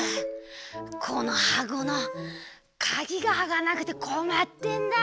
このはこのかぎがあかなくてこまってんだ。